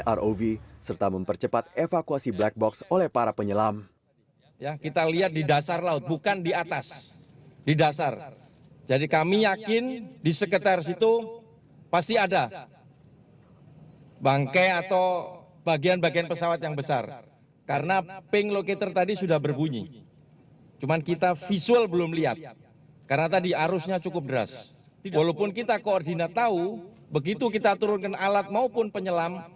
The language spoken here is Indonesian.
mesin rov serta mempercepat evakuasi black box oleh para penyelam